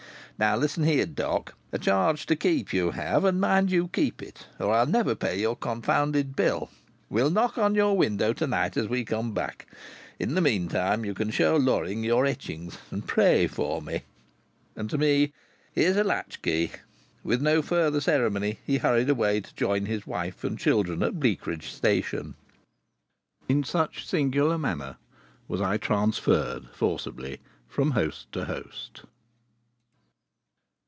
Now listen here, Doc! A charge to keep you have, and mind you keep it, or I'll never pay your confounded bill. We'll knock on the window to night as we come back. In the meantime you can show Loring your etchings, and pray for me." And to me: "Here's a latchkey." With no further ceremony he hurried away to join his wife and children at Bleakridge Station. In such singular manner was I transferred forcibly from host to host.